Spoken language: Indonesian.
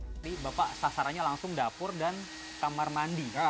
jadi bapak sasarannya langsung dapur dan kamar mandi